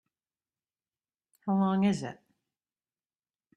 How long is it?